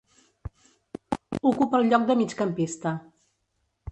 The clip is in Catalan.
Ocupa el lloc de migcampista.